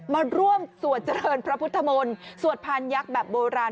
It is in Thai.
มาร่วมสวดเจริญพระพุทธมนต์สวดพานยักษ์แบบโบราณ